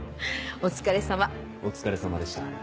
お疲れさまでした。